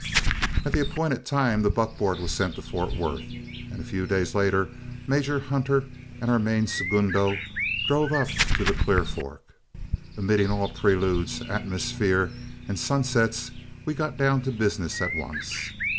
At the appointed time the buckboard was sent to Fort Worth, and a few days later Major Hunter and our main segundo drove up to the Clear Fork. Omitting all preludes, atmosphere, and sunsets, we got down to business at once.